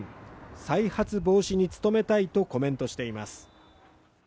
再発防止に努めたいとコメントしています。